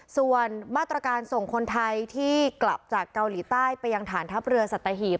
ส่วนมาตรการส่งคนไทยที่กลับจากเกาหลีใต้ไปยังฐานทัพเรือสัตหีบ